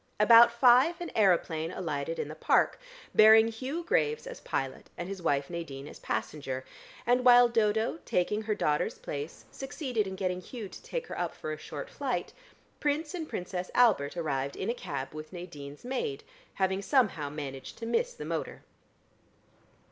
About five an aeroplane alighted in the park, bearing Hugh Graves as pilot, and his wife Nadine as passenger, and while Dodo, taking her daughter's place, succeeded in getting Hugh to take her up for a short flight, Prince and Princess Albert arrived in a cab with Nadine's maid, having somehow managed to miss the motor.